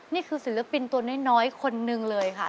นี่คือศิลปินตัวน้อยคนหนึ่งเลยค่ะ